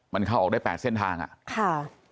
มันเข้าออกได้๘เส้นทางอ่ะค่ะ